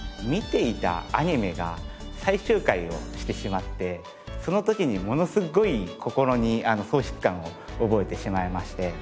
見ていたアニメが最終回をしてしまってその時にものすごい心に喪失感を覚えてしまいまして。